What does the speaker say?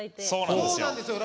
そうなんですよ